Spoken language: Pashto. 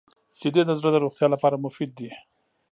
• شیدې د زړه د روغتیا لپاره مفید دي.